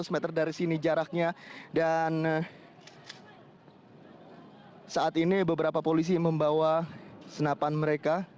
lima ratus meter dari sini jaraknya dan saat ini beberapa polisi membawa senapan mereka